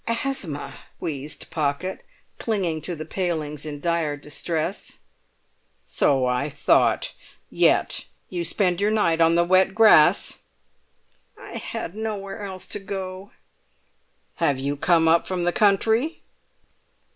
"Asthma," wheezed Pocket, clinging to the palings in dire distress. "So I thought. Yet you spend your night on the wet grass!" "I had nowhere else to go." "Have you come up from the country?"